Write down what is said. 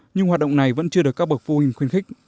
nhưng hoạt động này vẫn chưa được các bậc phu hình khuyến khích